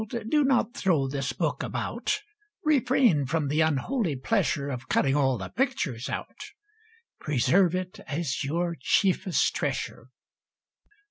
do not throw this book about; Refrain from the unholy pleasure Of cutting all the pictures out! Preserve it as your chiefest treasure.